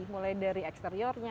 mulai dari eksteriornya